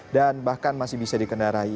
dan bahkan masih bisa dikendarai